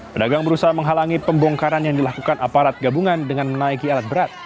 pedagang berusaha menghalangi pembongkaran yang dilakukan aparat gabungan dengan menaiki alat berat